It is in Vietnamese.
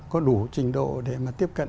có đủ trình độ để mà tiếp cận